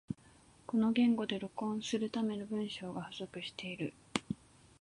この言語で録音するための文章が不足している